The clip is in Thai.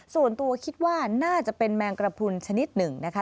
ส่วนตัวคิดว่าน่าจะเป็นแมงกระพุนชนิดหนึ่งนะคะ